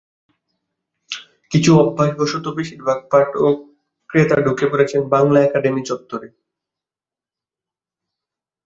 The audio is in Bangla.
কিন্তু অভ্যাসবশত বেশির ভাগ পাঠক, ক্রেতা ঢুকে পড়ছেন বাংলা একাডেমি চত্বরে।